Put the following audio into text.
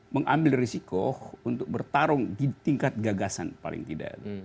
mengambil risiko untuk bertarung di tingkat gagasan paling tidak